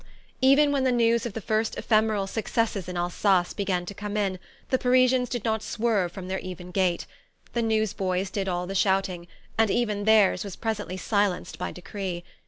Even when the news of the first ephemeral successes in Alsace began to come in, the Parisians did not swerve from their even gait. The newsboys did all the shouting and even theirs was presently silenced by decree.